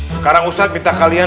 sekarang ustadz minta kalian